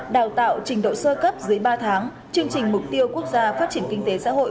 đào tạo trình độ sơ cấp dưới ba tháng chương trình mục tiêu quốc gia phát triển kinh tế xã hội